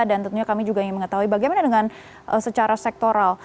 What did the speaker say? dan tentunya kami juga ingin mengetahui bagaimana dengan secara sektoral